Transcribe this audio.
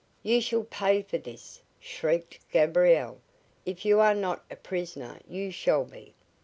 "You shall pay for this," shrieked Gabriel. "If you are not a prisoner you shall be.